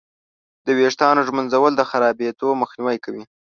د ویښتانو ږمنځول د خرابېدو مخنیوی کوي.